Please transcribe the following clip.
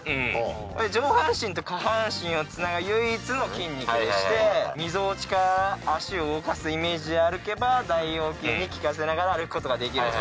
上半身と下半身をつなぐ唯一の筋肉でしてみぞおちから脚を動かすイメージで歩けば大腰筋に効かせながら歩くことができる。